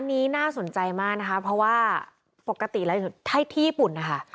อันนี้น่าสนใจมากนะคะเพราะว่าปกติแล้วถ้าที่ญี่ปุ่นนะคะ